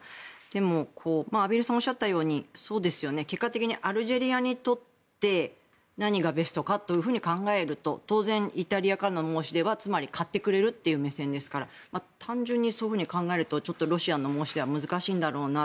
でも、畔蒜さんがおっしゃったようにそうですよね結果としてアルジェリアにとって何がベストかと考えるとイタリアからの申し出はつまり、買ってくれるという目線ですから単純にそう考えるとちょっとロシアの申し出は難しいんだろうな。